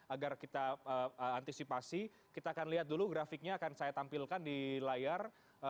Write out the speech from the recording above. agar kita antisipasi kita akan lihat dulu grafiknya akan saya tampilkan di layar